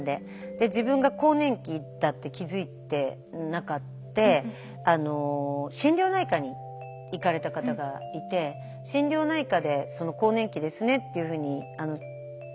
で自分が更年期だって気付いてなくって心療内科に行かれた方がいて心療内科で更年期ですねっていうふうに言ってくれなくて。